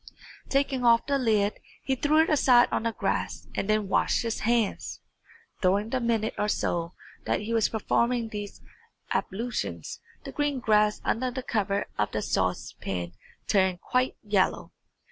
Taking off the lid, he threw it aside on the grass and then washed his hands. During the minute or so that he was performing these ablutions, the green grass under the cover of the saucepan turned quite yellow.